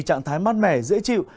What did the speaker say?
trạng thái mát mẻ dễ chịu